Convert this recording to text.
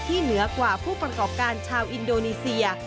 เหนือกว่าผู้ประกอบการชาวอินโดนีเซีย